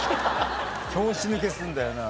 拍子抜けするんだよな。